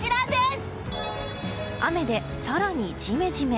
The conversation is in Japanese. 雨で、更にジメジメ。